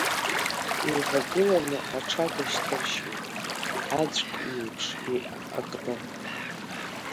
Еивагылан аҽага шьҭыршьуеит, аӡәк иеиԥш акны.